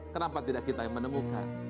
kenapa tidak kita yang menemukan